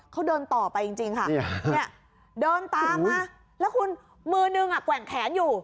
เขาเดินต่อไปจริงค่ะเนี่ยเดินตามมาแล้วคุณมือนึงแกว่งแขนอยู่